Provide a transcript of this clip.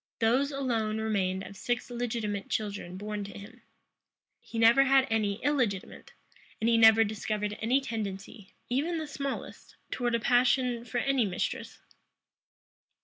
Those alone remained of six legitimate children born to him. He never had any illegitimate; and he never discovered any tendency, even the smallest, towards a passion for any mistress.